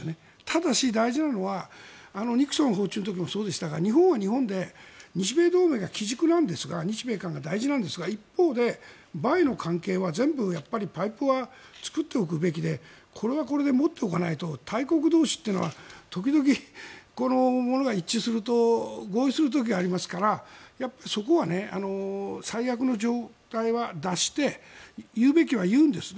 ただし大事なのはニクソン訪中の時もそうでしたが日本は日本で日米同盟が基軸なんですが日米韓が大事なんですが一方でバイの関係は全部パイプは作っておくべきでこれはこれで持っておかないと大国同士というのは時々、ものが一致すると合意する時ありますからそこは最悪の状態は脱して言うべきは言うんです。